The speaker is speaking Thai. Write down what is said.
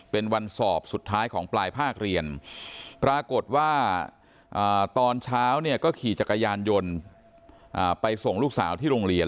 เป็นวันสอบสุดท้ายของปลายภาคเรียนปรากฏว่าตอนเช้าเนี่ยก็ขี่จักรยานยนต์ไปส่งลูกสาวที่โรงเรียน